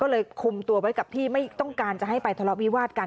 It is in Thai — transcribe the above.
ก็เลยคุมตัวไว้กับที่ไม่ต้องการจะให้ไปทะเลาะวิวาดกัน